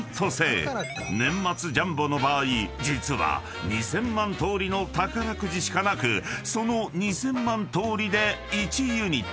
［年末ジャンボの場合実は２，０００万通りの宝くじしかなくその２，０００万通りで１ユニット］